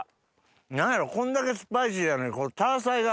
何やろこんだけスパイシーやのにタアサイが。